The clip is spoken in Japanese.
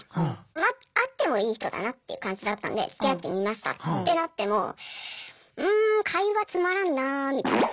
まあ会ってもいい人だなっていう感じだったんでつきあってみましたってなってもうん会話つまらんなぁみたいな。